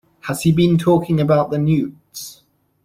Has he been talking about newts?